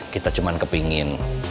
kita cuma kepengen